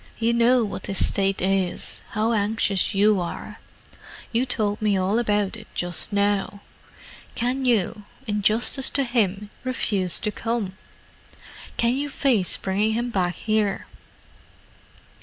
"You know what his state is—how anxious you are: you told me all about it just now. Can you, in justice to him, refuse to come?—can you face bringing him back here?"